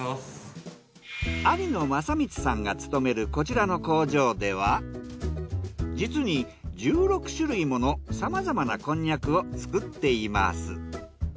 兄の正光さんが勤めるこちらの工場では実に１６種類ものさまざまなこんにゃくを作っています。